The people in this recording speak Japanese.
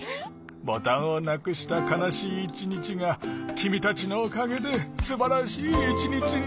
ボタンをなくしたかなしいいちにちがきみたちのおかげですばらしいいちにちなったよ。